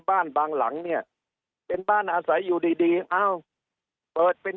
บางหลังเนี่ยเป็นบ้านอาศัยอยู่ดีดีเอ้าเปิดเป็น